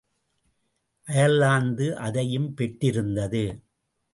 Ireland அதையும் பெற்றிருந்தது.